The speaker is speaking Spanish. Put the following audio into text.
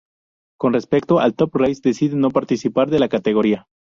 Con respecto al Top Race decide no participar de la categoría.